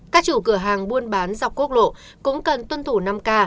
các chủ cửa hàng buôn bán dọc quốc lộ cũng cần tuân thủ năm k